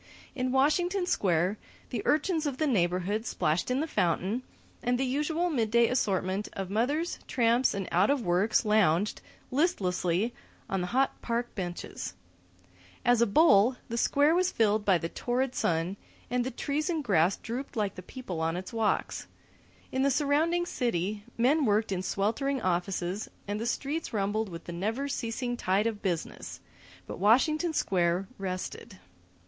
In Washington Square, the urchins of the neighborhood splashed in the fountain, and the usual midday assortment of mothers, tramps and out of works lounged listlessly on the hot park benches. [Illustration: All gazed, transfixed, at the vast form that towered above them.] As a bowl, the Square was filled by the torrid sun, and the trees and grass drooped like the people on its walks. In the surrounding city, men worked in sweltering offices and the streets rumbled with the never ceasing tide of business but Washington Square rested.